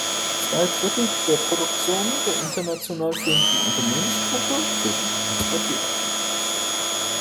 Zwei Drittel der Produktion der international führenden Unternehmensgruppe werden exportiert.